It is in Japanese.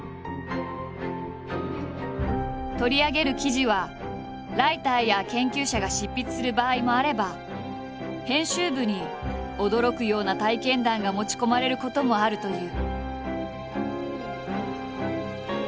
取り上げる記事はライターや研究者が執筆する場合もあれば編集部に驚くような体験談が持ち込まれることもあるという。